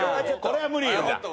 これは無理よ。